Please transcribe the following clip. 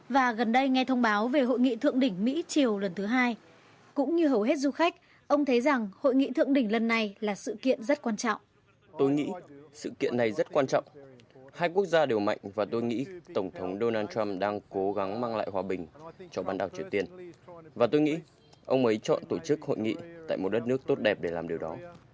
và tôi nghĩ ông ấy chọn tổ chức hội nghị tại một đất nước tốt đẹp để làm điều đó